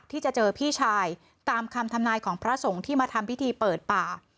ที่จะเจอพี่ชายตามคำทำนายของพระสงฆ์ที่มาทำพิธีเปิดป่า